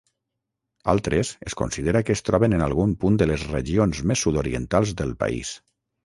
Altres es considera que es troben en algun punt de les regions més sud-orientals del país.